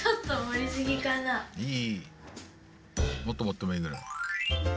もっともってもいいぐらい。